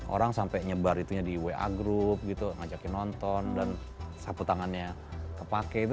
orang sampai nyebar itunya di wa group gitu ngajakin nonton dan sapu tangannya kepake